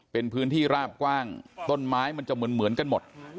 เป็นพื้นที่ราบกว้างต้นไม้มันจะเหมือนกันหมด